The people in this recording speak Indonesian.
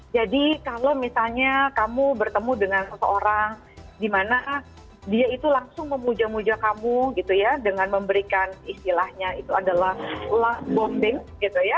jadi kalau misalnya kamu bertemu dengan seseorang di mana dia itu langsung memuja muja kamu gitu ya dengan memberikan istilahnya itu adalah love bonding gitu ya